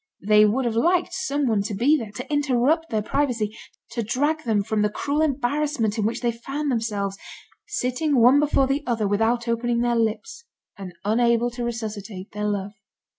They would have liked someone to be there to interrupt their privacy, to drag them from the cruel embarrassment in which they found themselves, sitting one before the other without opening their lips, and unable to resuscitate their love.